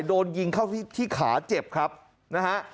โดนยิงเข้าที่ขาเจ็บครับนะฮะ